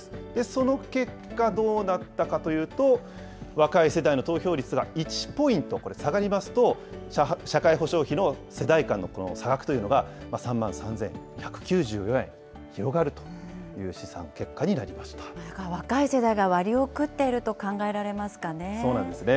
その結果、どうなったかというと、若い世代の投票率が１ポイント下がりますと、社会保障費の世代間のこの差額というのが、３万３１９４円広がるという試算結果にな若い世代が割を食っているとそうなんですね。